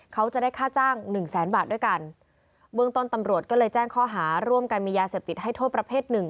เขาจะได้ค่าจ้างหนึ่งแสนบาทด้วยกันเบื้องต้นตำรวจก็เลยแจ้งข้อหาร่วมกันมียาเสพติดให้โทษประเภทหนึ่ง